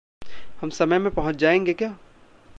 हम समय में पहुँच जाएँगे क्या?